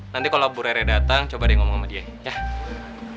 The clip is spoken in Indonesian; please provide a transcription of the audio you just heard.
nanti kalau bu rere datang coba deh ngomong sama dia ya